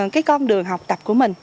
cái con đường học tập của mình